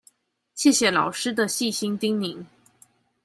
謝謝老師的細心叮嚀